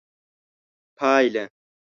پایله: